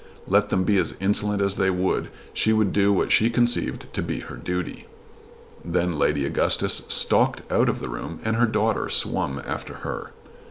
Let them be as insolent as they would she would do what she conceived to be her duty. Then Lady Augustus stalked out of the room and her daughter swum after her.